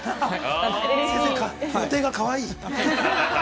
◆先生、予定がかわいい。